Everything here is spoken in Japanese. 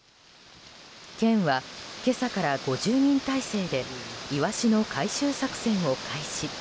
県は今朝から５０人態勢でイワシの回収作戦を開始。